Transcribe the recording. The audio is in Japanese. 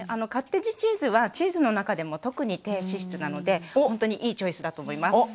カッテージチーズはチーズの中でも特に低脂質なのでほんとにいいチョイスだと思います。